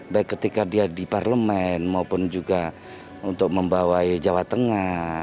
baik ketika dia di parlemen maupun juga untuk membawai jawa tengah